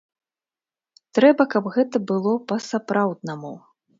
Трэба, каб гэта было па-сапраўднаму.